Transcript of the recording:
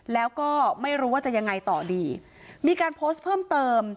แล้วก็ไม่รู้ว่าจะยังไงต่อดีมีการโพสต์เพิ่มเติม